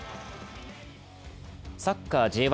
サッカーＪ１